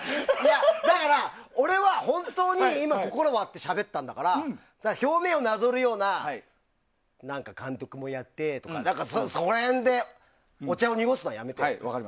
だから、俺は本当に今心割ってしゃべったんだから表面をなぞるような監督もやってとかそこら辺でお茶を濁すのはやめてね。